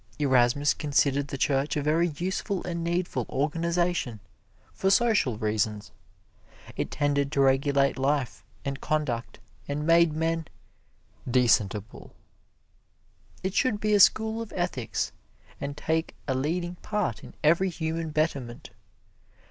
Erasmus considered the Church a very useful and needful organization for social reasons. It tended to regulate life and conduct and made men "decentable." It should be a school of ethics, and take a leading part in every human betterment.